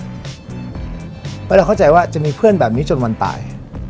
เพราะเราเข้าใจว่าจะมีเพื่อนแบบนี้จนวันตาย